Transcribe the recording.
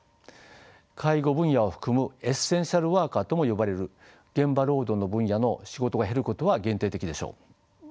介護分野を含むエッセンシャルワーカーとも呼ばれる現場労働の分野の仕事が減ることは限定的でしょう。